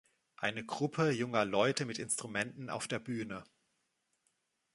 Eine Gruppe junger Leute mit Instrumenten auf der Bühne.